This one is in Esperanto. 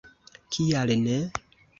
Kial ne?!